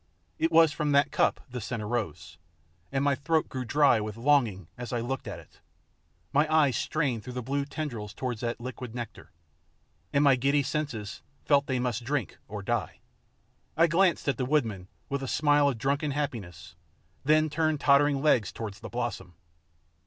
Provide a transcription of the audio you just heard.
It was from that cup the scent arose, and my throat grew dry with longing as I looked at it; my eyes strained through the blue tendrils towards that liquid nectar, and my giddy senses felt they must drink or die! I glanced at the woodman with a smile of drunken happiness, then turned tottering legs towards the blossom.